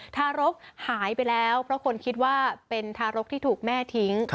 ทารกหายไปแล้วเพราะคนคิดว่าเป็นทารกที่ถูกแม่ทิ้ง